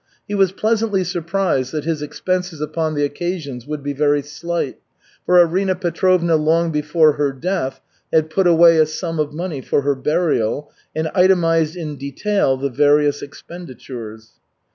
He was pleasantly surprised that his expenses upon the occasions would be very slight, for Arina Petrovna long before her death had put away a sum of money for her burial and itemized in detail the various expenditures.